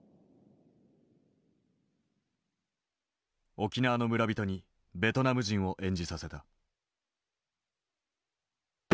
沖縄の村人にベトナム人を演じさせた。